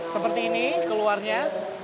seperti ini keluarnya